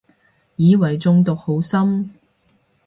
以為中毒好深